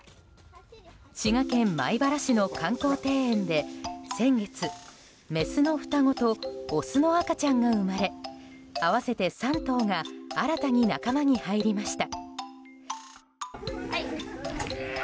滋賀県米原市の観光庭園で先月、メスの双子とオスの赤ちゃんが生まれ合わせて３頭が新たに仲間に入りました。